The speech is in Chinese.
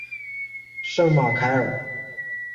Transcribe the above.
圣马凯尔。